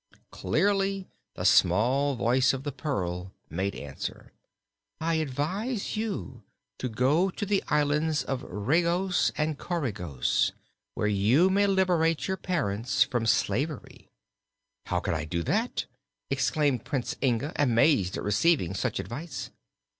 Clearly the small voice of the pearl made answer: "I advise you to go to the Islands of Regos and Coregos, where you may liberate your parents from slavery." "How could I do that?" exclaimed Prince Inga, amazed at receiving such advice.